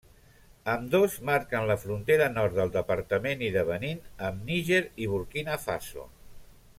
Ambdós marquen la frontera nord del departament i de Benín amb Níger i Burkina Faso.